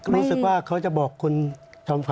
รู้สึกว่าเขาจะบอกคุณชอมฝันนะครับ